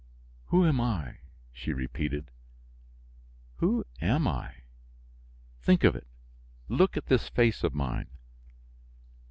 "Who am I?" she repeated, "who am I? Think of it. Look at this face of mine."